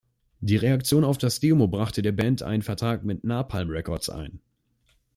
Die Reaktionen auf das Demo brachte der Band einen Vertrag mit Napalm Records ein.